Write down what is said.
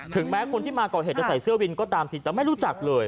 ถึงแม้คนที่มาเกาะเหตุใส่เสื้อวินก็ตามสิทธิ์แต่ไม่รู้จักเลย